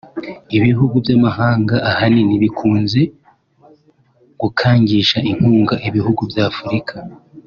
Ibihugu by’amahanga ahanini bikunze gukangisha inkunga ibihugu by’Afurika